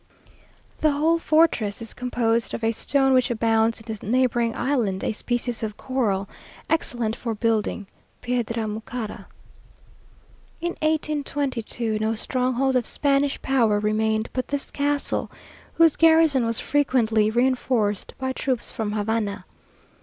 The whole fortress is composed of a stone which abounds in the neighbouring island, a species of coral, excellent for building, piedra mucara. In 1822 no stronghold of Spanish power remained but this castle, whose garrison was frequently reinforced by troops from Havana.